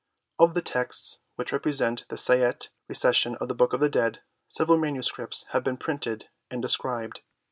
Of the texts which represent the Sai'te Recension of the Book of the Dead, several MSS. have been printed and described.